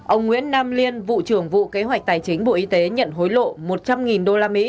ông nguyễn nam liên vụ trưởng vụ kế hoạch tài chính bộ y tế nhận hối lộ một trăm linh đô la mỹ